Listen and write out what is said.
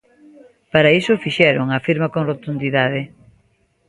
"Para iso o fixeron", afirma con rotundidade.